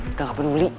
udah gak boleh beli